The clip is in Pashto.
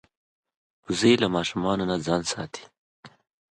وزې له ماشومانو نه ځان ساتي